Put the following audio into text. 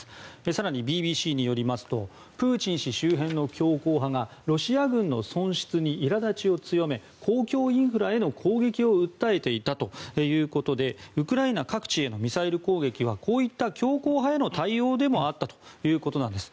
更にＢＢＣによりますとプーチン氏周辺の強硬派がロシア軍の損失にいら立ちを強め公共インフラへの攻撃を訴えていたということでウクライナ各地へのミサイル攻撃はこういった強硬派への対応でもあったということです。